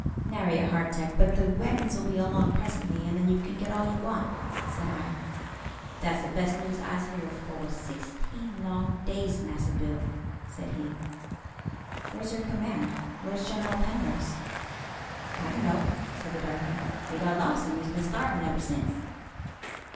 "Nary a hardtack; but the wagons will be along presently, and then you can get all you want," said I. "Dat's de best news I's heerd foah sixteen long days, Massa Bill," said he. "Where's your command? Where's General Penrose?" I asked. "I dun'no'," said the darky; "we got lost and we's been starvin' eber since."